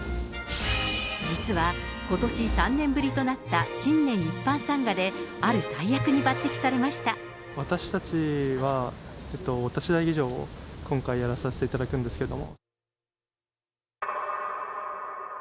実は、ことし３年ぶりとなった新年一般参賀で、私たちは、お立ち台儀じょうを今回やらさせていただくんですけれども。